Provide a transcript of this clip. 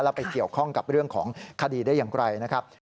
แล้วไปเกี่ยวข้องกับเรื่องของคดีได้อย่างไรนะครับ